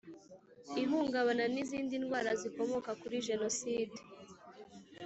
Ihungabana n izindi ndwara zikomoka kuri Jenoside